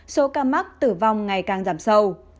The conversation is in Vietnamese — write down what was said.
số ca mắc tử vong ngày càng giảm sâu